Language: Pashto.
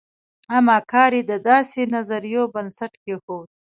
اما کار یې د داسې نظریو بنسټ کېښود.